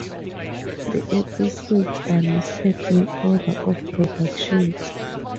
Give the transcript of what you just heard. The episodes are listed in order of production.